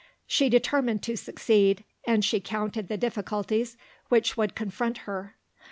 She determined to succeed, and she counted the difficulties which would confront her.